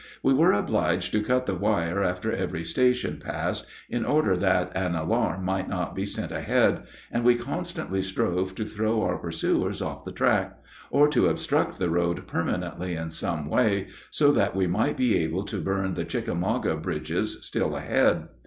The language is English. We were obliged to cut the wire after every station passed, in order that an alarm might not be sent ahead; and we constantly strove to throw our pursuers off the track, or to obstruct the road permanently in some way, so that we might be able to burn the Chickamauga bridges, still ahead.